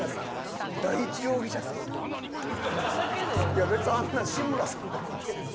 いや別にあんなん志村さんでもいけるし。